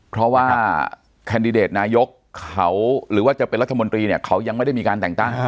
เพราะว่าแคนดิเดตนายกเขาหรือว่าจะเป็นรัฐมนตรีเนี่ยเขายังไม่ได้มีการแต่งตั้ง